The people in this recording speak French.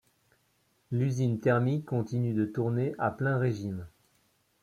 L'usine thermique continue de tourner à plein régime.